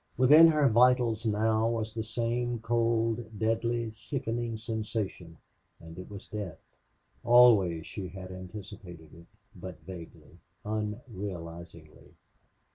Within her vitals now was the same cold, deadly, sickening sensation, and it was death. Always she had anticipated it, but vaguely, unrealizingly.